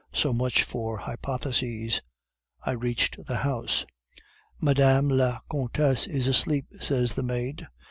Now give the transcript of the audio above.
So much for hypotheses. I reached the house. "'"Madame la Comtesse is asleep," says the maid.